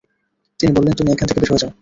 তিনি বললেন, তুমি এখান থেকে বের হয়ে যাও।